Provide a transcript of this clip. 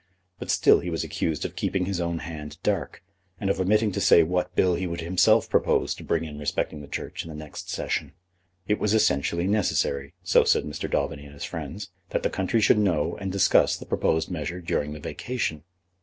But still he was accused of keeping his own hand dark, and of omitting to say what bill he would himself propose to bring in respecting the Church in the next Session. It was essentially necessary, so said Mr. Daubeny and his friends, that the country should know and discuss the proposed measure during the vacation.